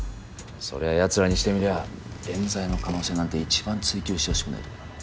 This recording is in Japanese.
そりゃやつらにしてみりゃえん罪の可能性なんて一番追及してほしくないとこだもん。